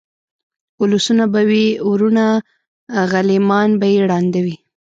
اولسونه به وي وروڼه غلیمان به یې ړانده وي